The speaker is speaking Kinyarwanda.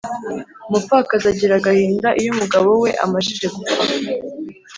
umupfakazi agira agahinda iyo umugabo we amajije gupfa